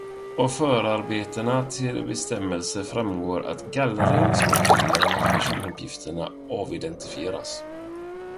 Av förarbetena till den bestämmelsen framgår att gallring kan ske genom att personuppgifterna avidentifieras.